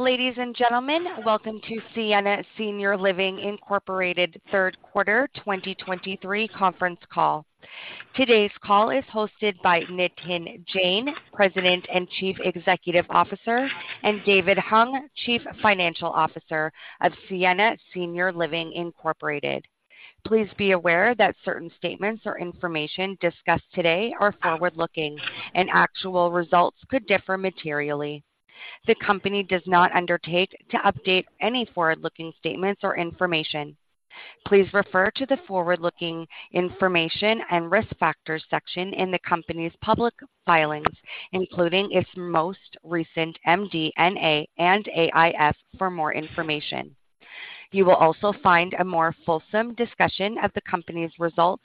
Ladies and gentlemen, welcome to Sienna Senior Living Incorporated Third Quarter 2023 conference call. Today's call is hosted by Nitin Jain, President and Chief Executive Officer, and David Hung, Chief Financial Officer of Sienna Senior Living Incorporated. Please be aware that certain statements or information discussed today are forward-looking, and actual results could differ materially. The company does not undertake to update any forward-looking statements or information. Please refer to the forward-looking information and risk factors section in the company's public filings, including its most recent MD&A and AIF for more information. You will also find a more fulsome discussion of the company's results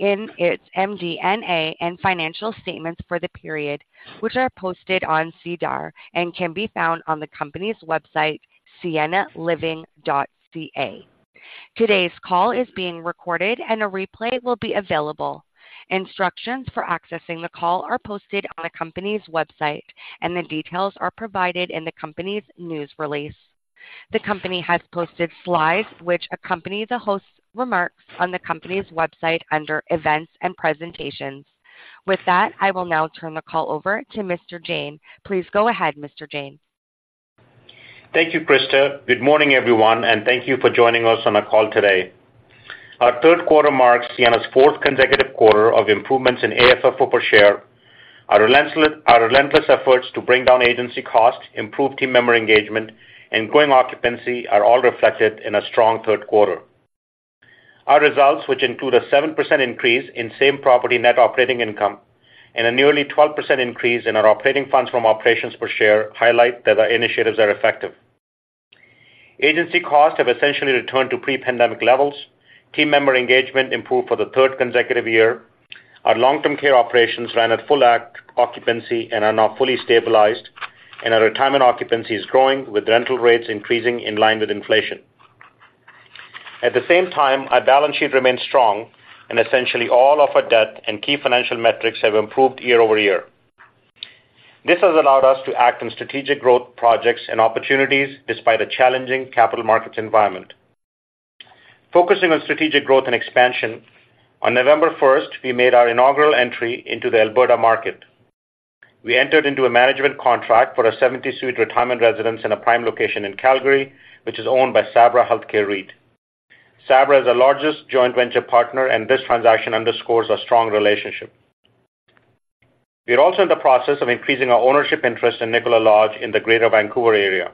in its MD&A and financial statements for the period, which are posted on SEDAR and can be found on the company's website, siennaliving.ca. Today's call is being recorded, and a replay will be available. Instructions for accessing the call are posted on the company's website, and the details are provided in the company's news release. The company has posted slides which accompany the host's remarks on the company's website under Events and Presentations. With that, I will now turn the call over to Mr. Jain. Please go ahead, Mr. Jain. Thank you, Krista. Good morning, everyone, and thank you for joining us on our call today. Our third quarter marks Sienna's fourth consecutive quarter of improvements in AFFO per share. Our relentless efforts to bring down agency costs, improve team member engagement, and growing occupancy are all reflected in a strong third quarter. Our results, which include a 7% increase in same-property net operating income and a nearly 12% increase in our operating funds from operations per share, highlight that our initiatives are effective. Agency costs have essentially returned to pre-pandemic levels. Team member engagement improved for the third consecutive year. Our long-term care operations ran at full occupancy and are now fully stabilized, and our retirement occupancy is growing, with rental rates increasing in line with inflation. At the same time, our balance sheet remains strong and essentially all of our debt and key financial metrics have improved year-over-year. This has allowed us to act on strategic growth projects and opportunities despite a challenging capital markets environment. Focusing on strategic growth and expansion, on 1st November, we made our inaugural entry into the Alberta market. We entered into a management contract for a 70-suite retirement residence in a prime location in Calgary, which is owned by Sabra Health Care REIT. Sabra is our largest joint venture partner, and this transaction underscores our strong relationship. We are also in the process of increasing our ownership interest in Nicola Lodge in the Greater Vancouver area.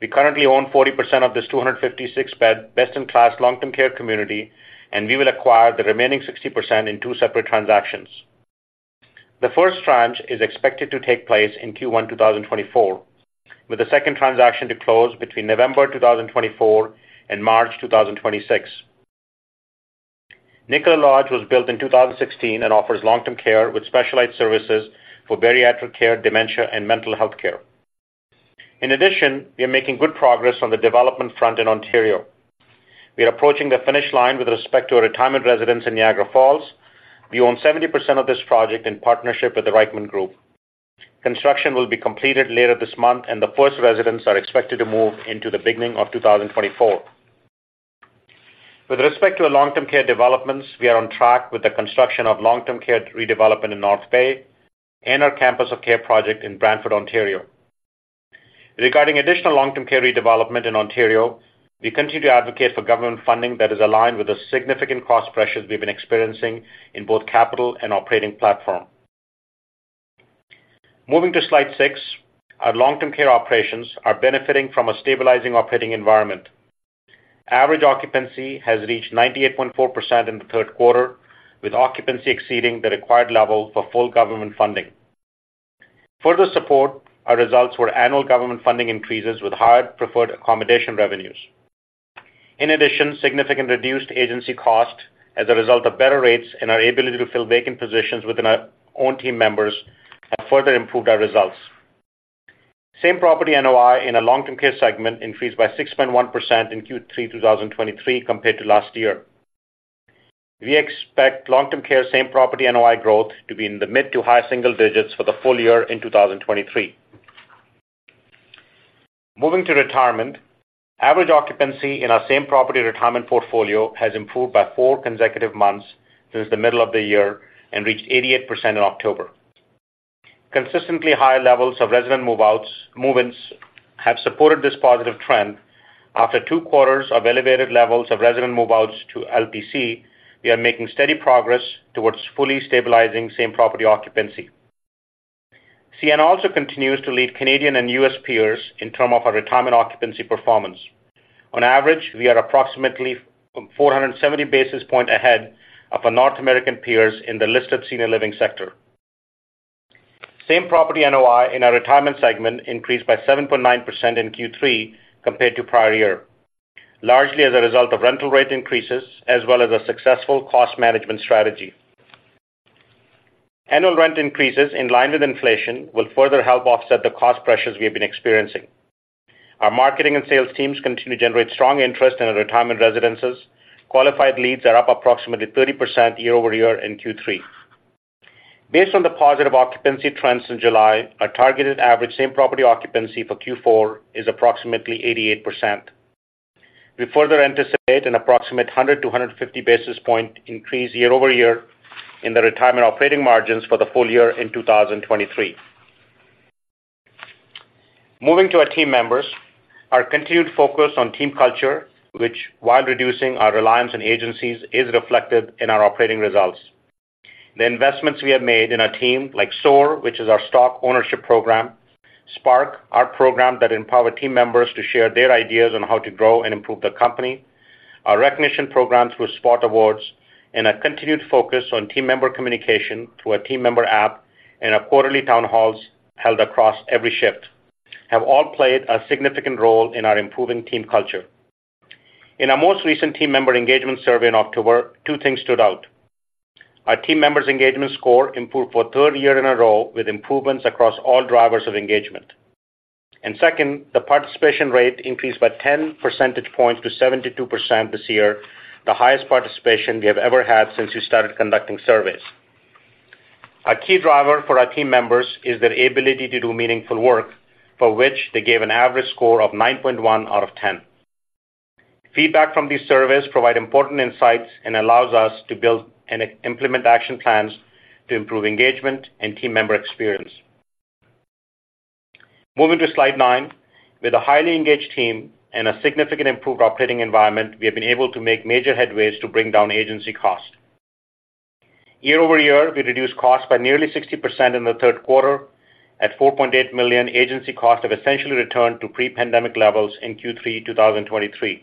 We currently own 40% of this 256-bed, best-in-class long-term care community, and we will acquire the remaining 60% in two separate transactions. The first tranche is expected to take place in Q1 2024, with the second transaction to close between November 2024 and March 2026. Nicola Lodge was built in 2016 and offers long-term care with specialized services for bariatric care, dementia, and mental health care. In addition, we are making good progress on the development front in Ontario. We are approaching the finish line with respect to our retirement residence in Niagara Falls. We own 70% of this project in partnership with the Reichmann Group. Construction will be completed later this month, and the first residents are expected to move in to the beginning of 2024. With respect to our long-term care developments, we are on track with the construction of long-term care redevelopment in North Bay and our campus of care project in Brantford, Ontario. Regarding additional long-term care redevelopment in Ontario, we continue to advocate for government funding that is aligned with the significant cost pressures we've been experiencing in both capital and operating platform. Moving to slide 6, our long-term care operations are benefiting from a stabilizing operating environment. Average occupancy has reached 98.4% in the third quarter, with occupancy exceeding the required level for full government funding. Further supporting our results were annual government funding increases with higher preferred accommodation revenues. In addition, significantly reduced agency costs as a result of better rates and our ability to fill vacant positions with our own team members have further improved our results. Same-property NOI in our long-term care segment increased by 6.1% in Q3 2023 compared to last year. We expect long-term care same-property NOI growth to be in the mid to high single digits for the full year in 2023. Moving to retirement. Average occupancy in our same-property retirement portfolio has improved by four consecutive months since the middle of the year and reached 88% in October. Consistently high levels of resident move-outs, move-ins have supported this positive trend. After two quarters of elevated levels of resident move-outs to LTC, we are making steady progress towards fully stabilizing same-property occupancy. Sienna also continues to lead Canadian and US peers in terms of our retirement occupancy performance. On average, we are approximately 470 basis points ahead of our North American peers in the listed senior living sector. Same-property NOI in our retirement segment increased by 7.9% in Q3 compared to prior year, largely as a result of rental rate increases as well as a successful cost management strategy. Annual rent increases in line with inflation will further help offset the cost pressures we have been experiencing. Our marketing and sales teams continue to generate strong interest in our retirement residences. Qualified leads are up approximately 30% year-over-year in Q3. Based on the positive occupancy trends in July, our targeted average same-property occupancy for Q4 is approximately 88%. We further anticipate an approximate 100-150 basis point increase year-over-year in the retirement operating margins for the full year in 2023. Moving to our team members, our continued focus on team culture, which, while reducing our reliance on agencies, is reflected in our operating results. The investments we have made in our team, like SOAR, which is our stock ownership program, SPARK, our program that empower team members to share their ideas on how to grow and improve the company, our recognition program through SPOT Awards, and a continued focus on team member communication through our team member app and our quarterly town halls held across every shift, have all played a significant role in our improving team culture. In our most recent team member engagement survey in October, two things stood out. Our team members' engagement score improved for a third year in a row with improvements across all drivers of engagement. And second, the participation rate increased by 10 percentage points to 72% this year, the highest participation we have ever had since we started conducting surveys. A key driver for our team members is their ability to do meaningful work, for which they gave an average score of 9.1 out of 10. Feedback from these surveys provide important insights and allows us to build and implement action plans to improve engagement and team member experience. Moving to slide 9. With a highly engaged team and a significant improved operating environment, we have been able to make major headways to bring down agency costs. Year-over-year, we reduced costs by nearly 60% in the third quarter. At 4.8 million, agency costs have essentially returned to pre-pandemic levels in Q3 2023.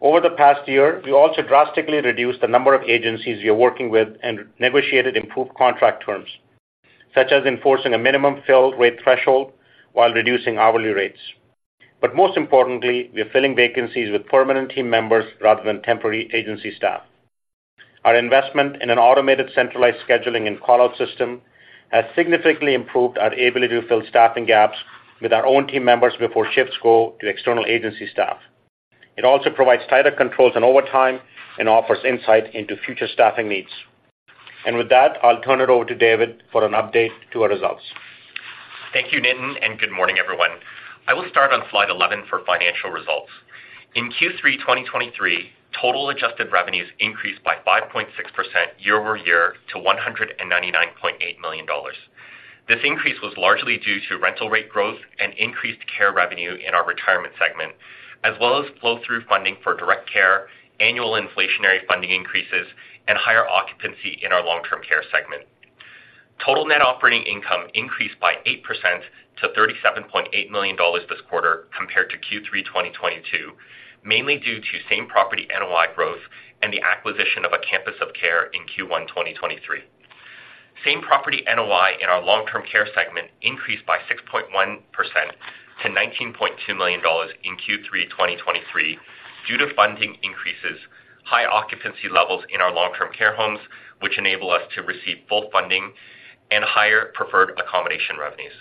Over the past year, we also drastically reduced the number of agencies we are working with and negotiated improved contract terms, such as enforcing a minimum fill rate threshold while reducing hourly rates. But most importantly, we are filling vacancies with permanent team members rather than temporary agency staff. Our investment in an automated, centralized scheduling and call-out system has significantly improved our ability to fill staffing gaps with our own team members before shifts go to external agency staff. It also provides tighter controls on overtime and offers insight into future staffing needs. And with that, I'll turn it over to David for an update to our results. Thank you, Nitin, and good morning, everyone. I will start on slide 11 for financial results. In Q3 2023, total adjusted revenues increased by 5.6% year over year to 199.8 million dollars. This increase was largely due to rental rate growth and increased care revenue in our retirement segment, as well as flow-through funding for direct care, annual inflationary funding increases, and higher occupancy in our long-term care segment. Total net operating income increased by 8% to 37.8 million dollars this quarter compared to Q3 2022, mainly due to same-property NOI growth and the acquisition of a campus of care in Q1 2023. Same-property NOI in our long-term care segment increased by 6.1% to 19.2 million dollars in Q3 2023, due to funding increases, high occupancy levels in our long-term care homes, which enable us to receive full funding and higher preferred accommodation revenues.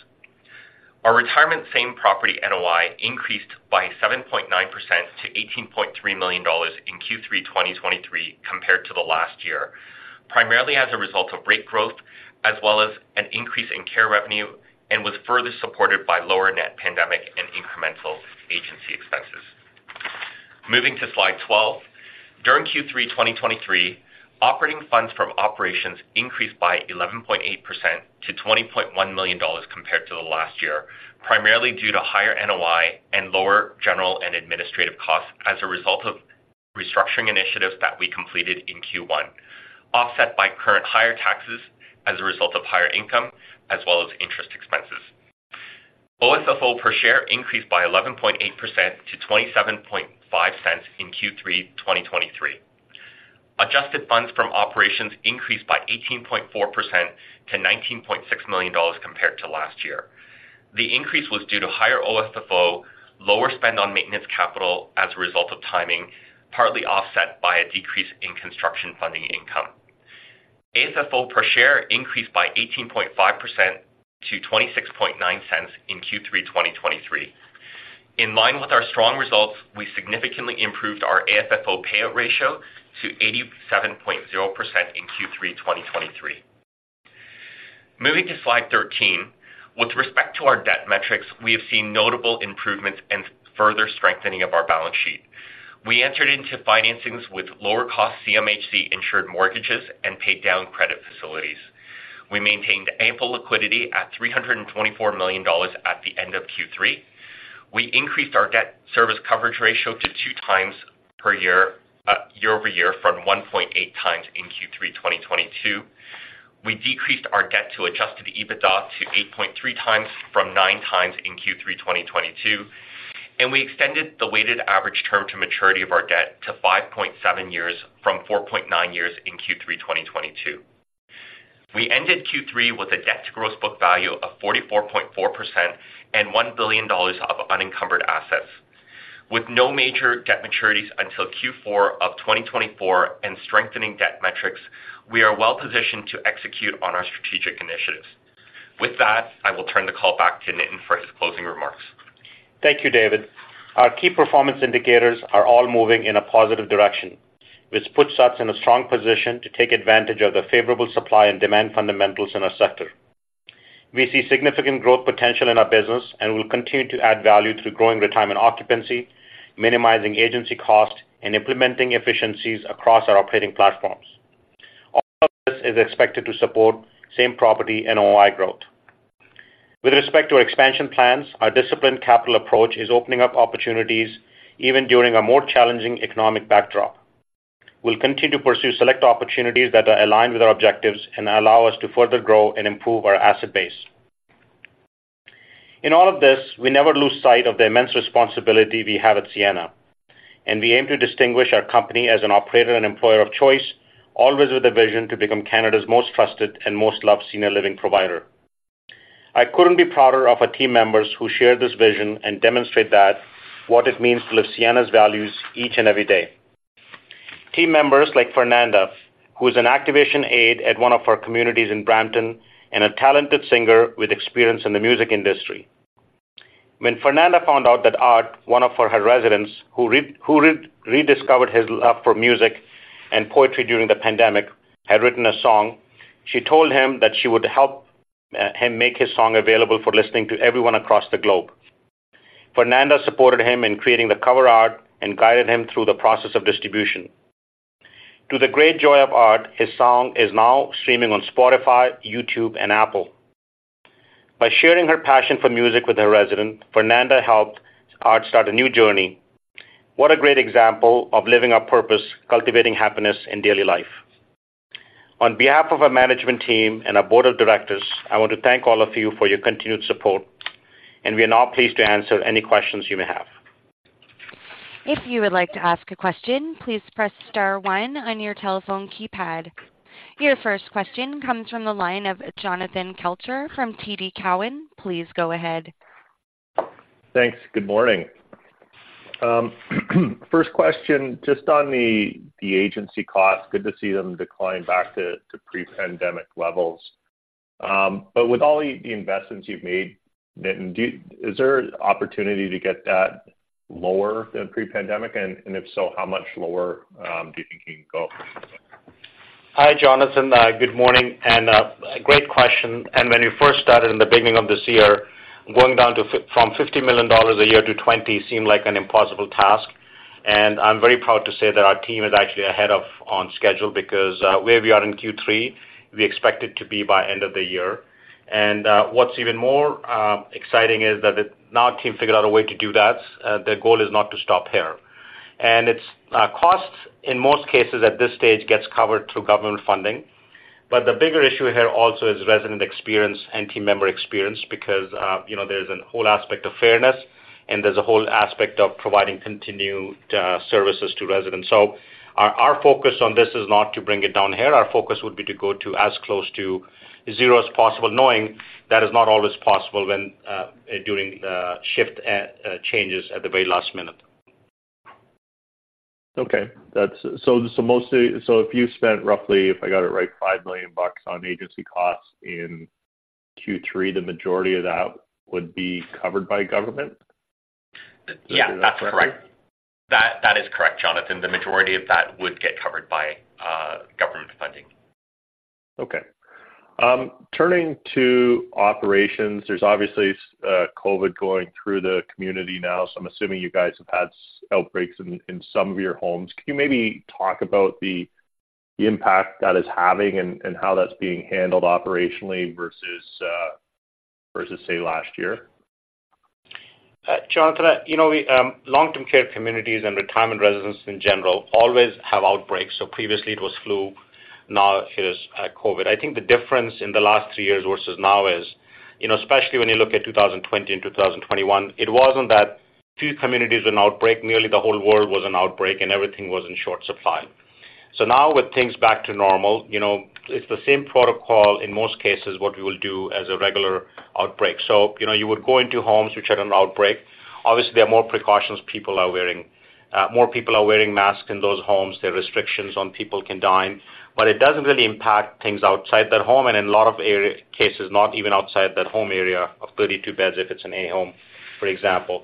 Our retirement same-property NOI increased by 7.9% to 18.3 million dollars in Q3 2023, compared to the last year, primarily as a result of rate growth as well as an increase in care revenue, and was further supported by lower net pandemic and incremental agency expenses. Moving to slide 12. During Q3 2023, operating funds from operations increased by 11.8% to 20.1 million dollars compared to the last year, primarily due to higher NOI and lower general and administrative costs as a result of restructuring initiatives that we completed in Q1, offset by current higher taxes as a result of higher income as well as interest expenses. OFFO per share increased by 11.8% to 0.275 in Q3 2023. Adjusted funds from operations increased by 18.4% to 19.6 million dollars compared to last year. The increase was due to higher OFFO, lower spend on maintenance capital as a result of timing, partly offset by a decrease in construction funding income. AFFO per share increased by 18.5% to 0.269 in Q3 2023. In line with our strong results, we significantly improved our AFFO payout ratio to 87.0% in Q3 2023. Moving to slide 13. With respect to our debt metrics, we have seen notable improvements and further strengthening of our balance sheet. We entered into financings with lower-cost CMHC-insured mortgages and paid down credit facilities. We maintained ample liquidity at 324 million dollars at the end of Q3. We increased our debt service coverage ratio to 2x year-over-year, from 1.8x in Q3 2022. We decreased our debt to adjusted EBITDA to 8.3x from 9x in Q3 2022, and we extended the weighted average term to maturity of our debt to 5.7 years from 4.9 years in Q3 2022. We ended Q3 with a debt to gross book value of 44.4% and 1 billion dollars of unencumbered assets. With no major debt maturities until Q4 of 2024 and strengthening debt metrics, we are well positioned to execute on our strategic initiatives. With that, I will turn the call back to Nitin for his closing remarks. ... Thank you, David. Our key performance indicators are all moving in a positive direction, which puts us in a strong position to take advantage of the favorable supply and demand fundamentals in our sector. We see significant growth potential in our business, and we'll continue to add value through growing retirement occupancy, minimizing agency cost, and implementing efficiencies across our operating platforms. All of this is expected to support same-property NOI growth. With respect to expansion plans, our disciplined capital approach is opening up opportunities even during a more challenging economic backdrop. We'll continue to pursue select opportunities that are aligned with our objectives and allow us to further grow and improve our asset base. In all of this, we never lose sight of the immense responsibility we have at Sienna, and we aim to distinguish our company as an operator and employer of choice, always with a vision to become Canada's most trusted and most loved senior living provider. I couldn't be prouder of our team members who share this vision and demonstrate that what it means to live Sienna's values each and every day. Team members like Fernanda, who is an activation aide at one of our communities in Brampton, and a talented singer with experience in the music industry. When Fernanda found out that Art, one of her residents, who rediscovered his love for music and poetry during the pandemic, had written a song, she told him that she would help him make his song available for listening to everyone across the globe. Fernanda supported him in creating the cover art and guided him through the process of distribution. To the great joy of Art, his song is now streaming on Spotify, YouTube, and Apple. By sharing her passion for music with her resident, Fernanda helped Art start a new journey. What a great example of living our purpose, cultivating happiness in daily life. On behalf of our management team and our board of directors, I want to thank all of you for your continued support, and we are now pleased to answer any questions you may have. If you would like to ask a question, please press star one on your telephone keypad. Your first question comes from the line of Jonathan Kelcher from TD Cowen. Please go ahead. Thanks. Good morning. First question, just on the agency costs, good to see them decline back to pre-pandemic levels. But with all the investments you've made, Nitin, do you—is there opportunity to get that lower than pre-pandemic? And if so, how much lower do you think you can go? Hi, Jonathan. Good morning, and great question. And when you first started in the beginning of this year, going down from 50 million dollars a year to 20 million seemed like an impossible task. And I'm very proud to say that our team is actually ahead of, on schedule, because where we are in Q3, we expect it to be by end of the year. And what's even more exciting is that now our team figured out a way to do that, their goal is not to stop here. And it's costs, in most cases at this stage, gets covered through government funding. But the bigger issue here also is resident experience and team member experience, because you know, there's a whole aspect of fairness, and there's a whole aspect of providing continued services to residents. Our focus on this is not to bring it down here. Our focus would be to go to as close to zero as possible, knowing that is not always possible when during changes at the very last minute. Okay. So mostly, if you spent roughly, if I got it right, 5 million bucks on agency costs in Q3, the majority of that would be covered by government? Yeah, that's correct. That, that is correct, Jonathan. The majority of that would get covered by government funding. Okay. Turning to operations, there's obviously COVID going through the community now, so I'm assuming you guys have had outbreaks in some of your homes. Can you maybe talk about the impact that is having and how that's being handled operationally versus, say, last year? Jonathan, you know, we long-term care communities and retirement residences in general always have outbreaks, so previously it was flu, now it is COVID. I think the difference in the last three years versus now is, you know, especially when you look at 2020 and 2021, it wasn't that few communities were in outbreak, merely the whole world was in outbreak, and everything was in short supply. So now with things back to normal, you know, it's the same protocol in most cases, what we will do as a regular outbreak. So, you know, you would go into homes, which are an outbreak. Obviously, there are more precautions, more people are wearing masks in those homes. There are restrictions on people can dine, but it doesn't really impact things outside that home, and in a lot of cases, not even outside that home area of 32 beds, if it's an A home, for example.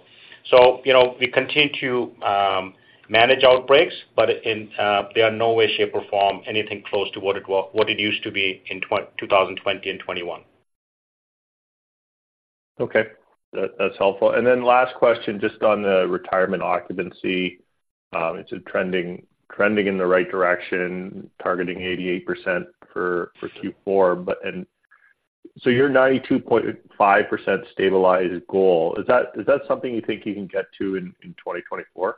So, you know, we continue to manage outbreaks, but they are in no way, shape, or form, anything close to what it used to be in 2020 and 2021. Okay. That's helpful. And then last question, just on the retirement occupancy. It's trending in the right direction, targeting 88% for Q4. But and so your 92.5% stabilized goal, is that something you think you can get to in 2024?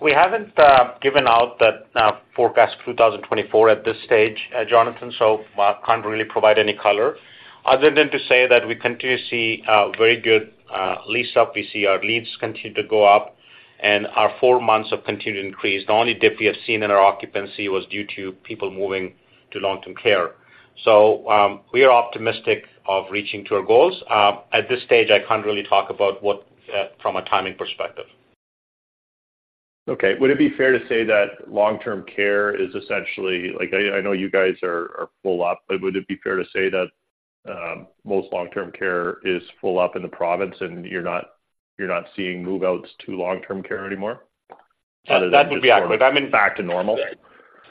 We haven't given out that forecast for 2024 at this stage, Jonathan, so I can't really provide any color, other than to say that we continue to see very good lease-up. We see our leads continue to go up, and our four months have continued to increase. The only dip we have seen in our occupancy was due to people moving to long-term care. So, we are optimistic of reaching to our goals. At this stage, I can't really talk about what from a timing perspective.... Okay, would it be fair to say that long-term care is essentially, like, I, I know you guys are full up, but would it be fair to say that most long-term care is full up in the province, and you're not seeing move-outs to long-term care anymore? That would be accurate. I mean. Back to normal.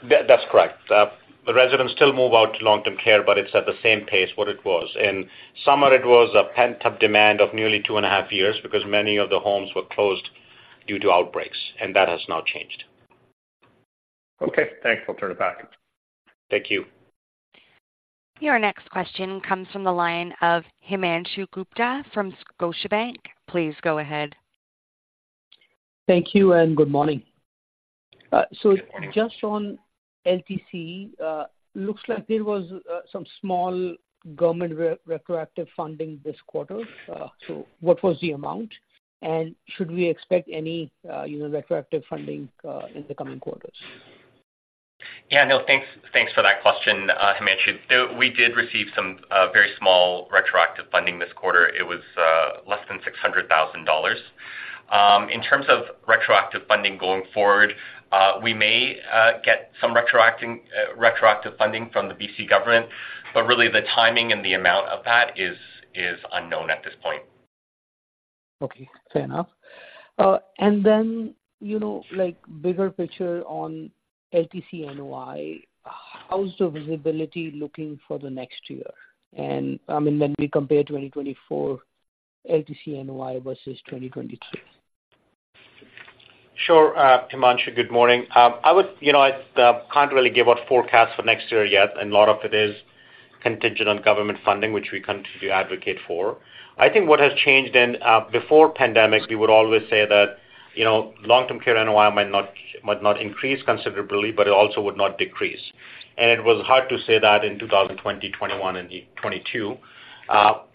That, that's correct. The residents still move out to long-term care, but it's at the same pace what it was. In summer, it was a pent-up demand of nearly two and a half years because many of the homes were closed due to outbreaks, and that has now changed. Okay, thanks. I'll turn it back. Thank you. Your next question comes from the line of Himanshu Gupta from Scotiabank. Please go ahead. Thank you and good morning. Just on LTC, looks like there was some small government retroactive funding this quarter. What was the amount? And should we expect any, you know, retroactive funding in the coming quarters? Yeah, no, thanks, thanks for that question, Himanshu. So we did receive some very small retroactive funding this quarter. It was less than 600,000 dollars. In terms of retroactive funding going forward, we may get some retroactive funding from the BC government, but really, the timing and the amount of that is unknown at this point. Okay, fair enough. And then, you know, like, bigger picture on LTC NOI, how's the visibility looking for the next year? And, I mean, when we compare 2024 LTC NOI versus 2022. Sure, Himanshu, good morning. I would... You know, I can't really give out forecasts for next year yet, and a lot of it is contingent on government funding, which we continue to advocate for. I think what has changed then, before pandemic, we would always say that, you know, long-term care NOI might not, might not increase considerably, but it also would not decrease. And it was hard to say that in 2020, 2021 and 2022.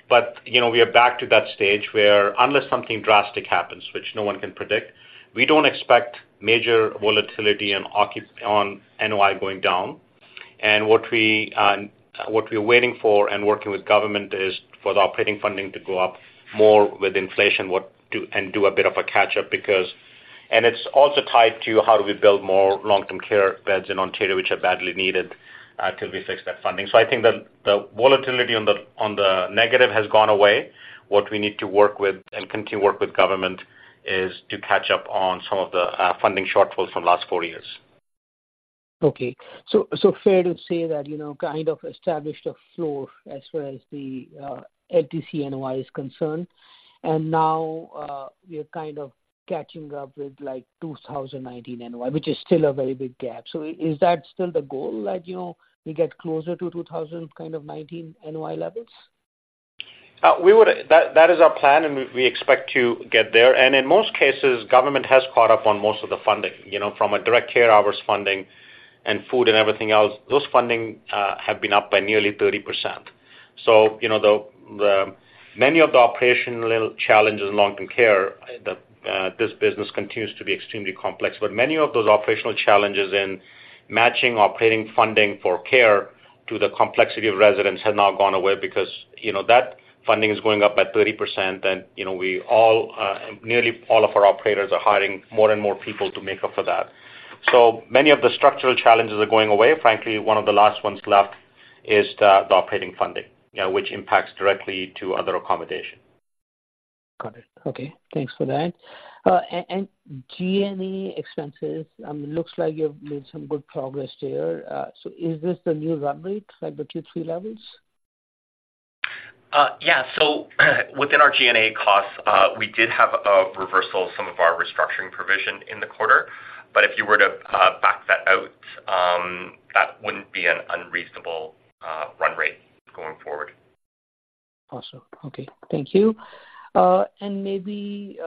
But, you know, we are back to that stage where unless something drastic happens, which no one can predict, we don't expect major volatility and occu- on NOI going down. And what we, what we're waiting for and working with government is for the operating funding to go up more with inflation, and do a bit of a catch-up because... It's also tied to how do we build more long-term care beds in Ontario, which are badly needed till we fix that funding. I think the, the volatility on the, on the negative has gone away. What we need to work with and continue to work with government is to catch up on some of the funding shortfalls from the last four years. Okay. So fair to say that, you know, kind of established a floor as well as the LTC NOI is concerned, and now we are kind of catching up with, like, 2019 NOI, which is still a very big gap. So is that still the goal that, you know, we get closer to 2019, kind of, NOI levels? We would... That, that is our plan, and we, we expect to get there. And in most cases, government has caught up on most of the funding, you know, from a direct care hours funding and food and everything else. Those funding have been up by nearly 30%. So, you know, the many of the operational challenges in long-term care, this business continues to be extremely complex. But many of those operational challenges in matching operating funding for care to the complexity of residents have now gone away because, you know, that funding is going up by 30%, and, you know, we all nearly all of our operators are hiring more and more people to make up for that. So many of the structural challenges are going away. Frankly, one of the last ones left is the operating funding, which impacts directly to other accommodation. Got it. Okay, thanks for that. And G&A expenses, looks like you've made some good progress there. So is this the new run rate, like the Q3 levels? Yeah. So, within our G&A costs, we did have a reversal of some of our restructuring provision in the quarter, but if you were to back that out, that wouldn't be an unreasonable run rate going forward. Awesome. Okay, thank you. And maybe,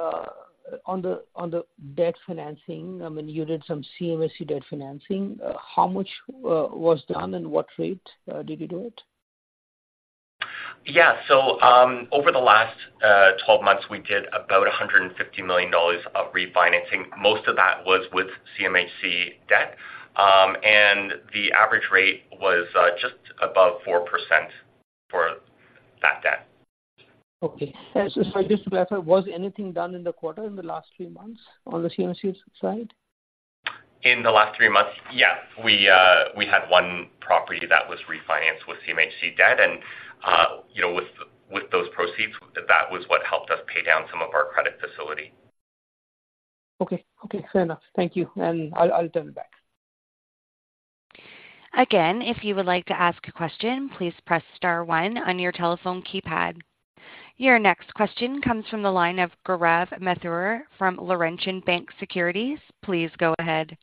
on the debt financing, I mean, you did some CMHC debt financing. How much was done, and what rate did you do it? Yeah, so, over the last 12 months, we did about 150 million dollars of refinancing. Most of that was with CMHC debt, and the average rate was just above 4% for that debt. Okay. So just to clarify, was anything done in the quarter, in the last three months on the CMHC side? In the last three months? Yeah, we had one property that was refinanced with CMHC debt, and, you know, with those proceeds, that was what helped us pay down some of our credit facility. Okay. Okay, fair enough. Thank you, and I'll, I'll turn it back. Again, if you would like to ask a question, please press star one on your telephone keypad. Your next question comes from the line of Gaurav Mathur from Laurentian Bank Securities. Please go ahead.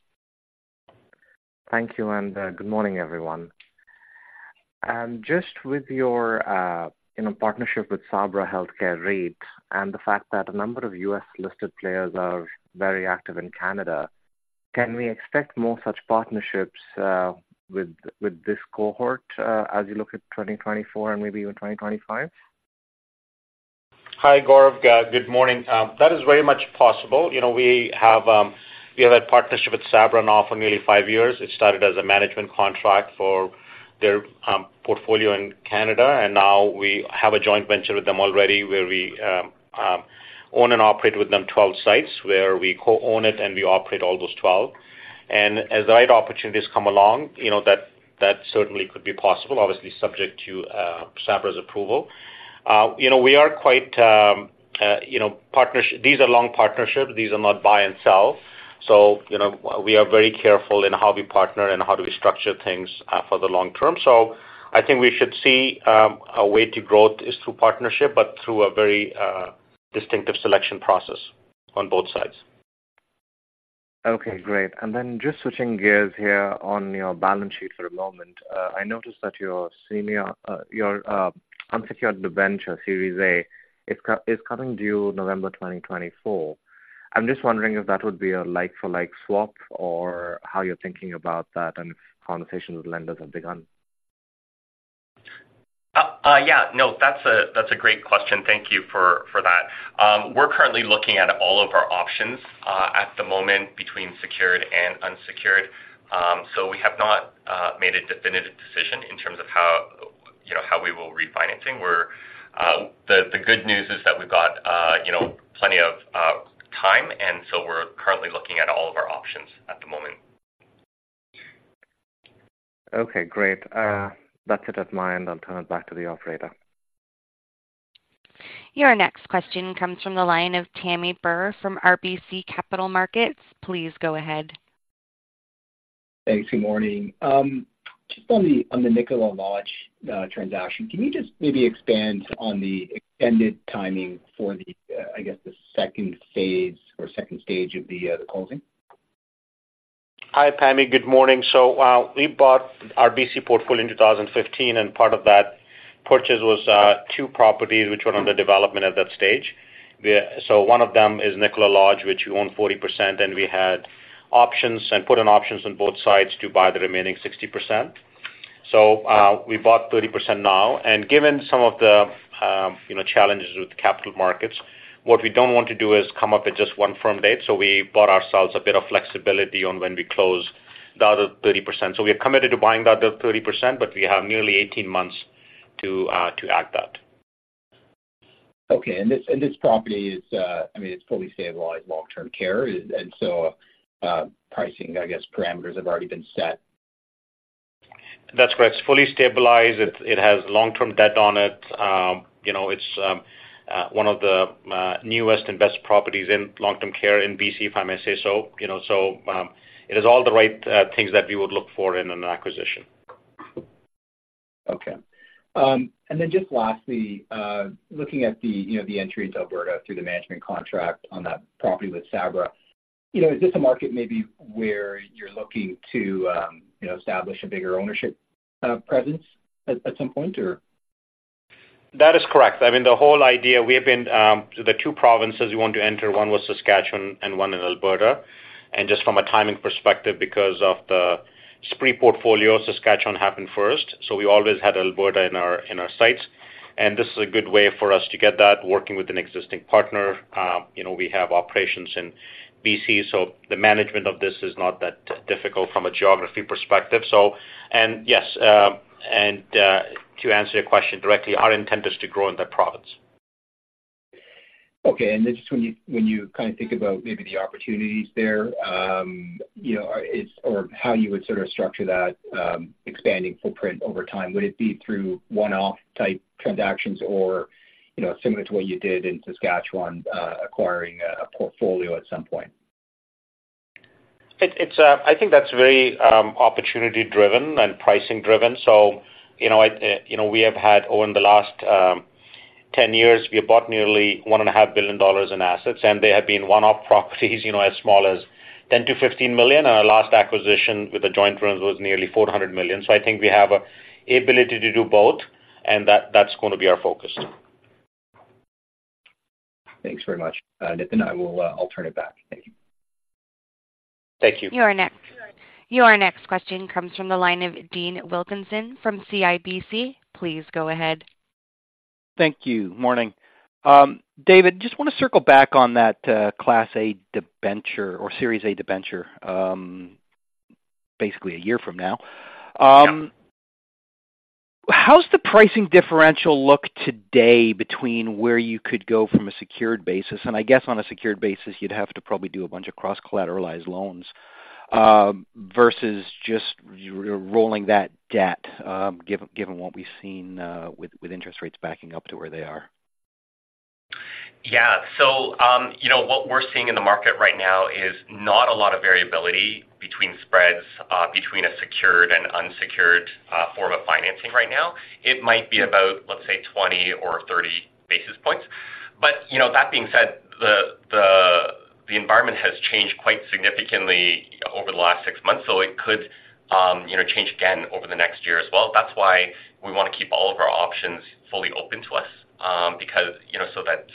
Thank you, and, good morning, everyone. Just with your, you know, partnership with Sabra Health Care REIT and the fact that a number of U.S.-listed players are very active in Canada, can we expect more such partnerships, with, with this cohort, as you look at 2024 and maybe even 2025? Hi, Gaurav. Good morning. That is very much possible. You know, we have, we have had partnership with Sabra now for nearly five years. It started as a management contract for their portfolio in Canada, and now we have a joint venture with them already where we own and operate with them 12 sites, where we co-own it and we operate all those 12. And as the right opportunities come along, you know, that, that certainly could be possible, obviously subject to Sabra's approval. You know, we are quite, you know, partners. These are long partnerships. These are not buy and sell. So, you know, we are very careful in how we partner and how do we structure things, for the long term. So I think we should see a way to growth is through partnership, but through a very distinctive selection process on both sides. Okay, great. And then just switching gears here on your balance sheet for a moment. I noticed that your senior unsecured debenture, Series A, is coming due November 2024. I'm just wondering if that would be a like-for-like swap or how you're thinking about that and conversations with lenders have begun? Yeah. No, that's a great question. Thank you for that. We're currently looking at all of our options at the moment between secured and unsecured. So we have not made a definitive decision in terms of how, you know, we will refinancing. The good news is that we've got, you know, plenty of time, and so we're currently looking at all of our options at the moment. Okay, great. That's it at my end. I'll turn it back to the operator. Your next question comes from the line of Pammi Bir from RBC Capital Markets. Please go ahead. Thanks. Good morning. Just on the Nicola Lodge transaction, can you just maybe expand on the extended timing for the, I guess, the second phase or second stage of the closing? Hi, Pammi. Good morning. So, we bought RBC portfolio in 2015, and part of that purchase was, two properties which were under development at that stage. So one of them is Nicola Lodge, which we own 40%, and we had options and put in options on both sides to buy the remaining 60%. So, we bought 30% now, and given some of the, you know, challenges with capital markets, what we don't want to do is come up with just one firm date, so we bought ourselves a bit of flexibility on when we close the other 30%. So we are committed to buying that other 30%, but we have nearly 18 months to act that. Okay, and this, and this property is, I mean, it's fully stabilized, long-term care, and so, pricing, I guess, parameters have already been set. That's correct. It's fully stabilized. It has long-term debt on it. You know, it's one of the newest and best properties in long-term care in BC, if I may say so. You know, so it has all the right things that we would look for in an acquisition. Okay. And then just lastly, looking at the, you know, the entry into Alberta through the management contract on that property with Sabra, you know, is this a market maybe where you're looking to, you know, establish a bigger ownership presence at some point, or? That is correct. I mean, the whole idea, we have been the two provinces we want to enter, one was Saskatchewan and one in Alberta. And just from a timing perspective, because of the Esprit portfolio, Saskatchewan happened first, so we always had Alberta in our, in our sights, and this is a good way for us to get that, working with an existing partner. You know, we have operations in BC, so the management of this is not that difficult from a geography perspective. So, and yes, to answer your question directly, our intent is to grow in the province. Okay, and then just when you kind of think about maybe the opportunities there, you know, or it's, or how you would sort of structure that, expanding footprint over time, would it be through one-off type transactions or, you know, similar to what you did in Saskatchewan, acquiring a portfolio at some point? I think that's very opportunity-driven and pricing-driven. So you know, you know, we have had over the last 10 years, we have bought nearly 1.5 billion dollars in assets, and they have been one-off properties, you know, as small as 10 million-15 million, and our last acquisition with the joint firms was nearly 400 million. So I think we have an ability to do both, and that's gonna be our focus. Thanks very much, Nitin. I will, I'll turn it back. Thank you. Thank you. Your next question comes from the line of Dean Wilkinson from CIBC. Please go ahead. Thank you. Morning. David, just wanna circle back on that, Class A debenture or Series A debenture, basically a year from now. How's the pricing differential look today between where you could go from a secured basis, and I guess on a secured basis, you'd have to probably do a bunch of cross-collateralized loans, versus just rolling that debt, given what we've seen, with interest rates backing up to where they are? Yeah. So, you know, what we're seeing in the market right now is not a lot of variability between spreads, between a secured and unsecured, form of financing right now. It might be about, let's say, 20 or 30 basis points. But, you know, that being said, the environment has changed quite significantly over the last six months, so it could, you know, change again over the next year as well. That's why we wanna keep all of our options fully open to us, because, you know, so that,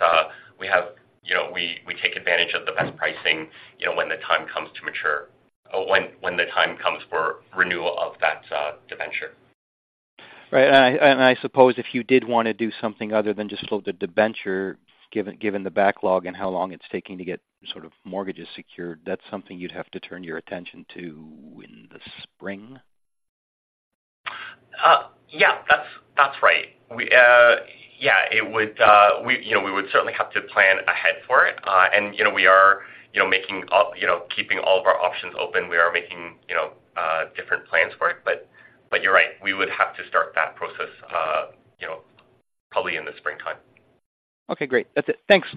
we have, you know, we take advantage of the best pricing, you know, when the time comes to mature... When the time comes for renewal of that, debenture. Right. And I suppose if you did wanna do something other than just float the debenture, given the backlog and how long it's taking to get sort of mortgages secured, that's something you'd have to turn your attention to in the spring? Yeah, that's, that's right. We, yeah, it would, we, you know, we would certainly have to plan ahead for it. And, you know, we are, you know, keeping all of our options open. We are making, you know, different plans for it. But, but you're right, we would have to start that process, you know, probably in the springtime. Okay, great. That's it. Thanks.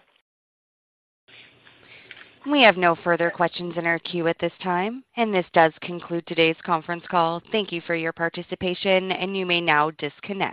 We have no further questions in our queue at this time, and this does conclude today's conference call. Thank you for your participation, and you may now disconnect.